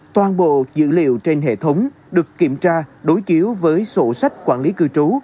toàn bộ dữ liệu trên hệ thống được kiểm tra đối chiếu với sổ sách quản lý cư trú